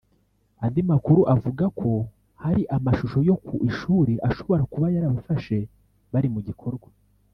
Andi makuru avuga ko hari amashusho yok u ishuli ashobora kuba yarabafashe bari mu gikorwa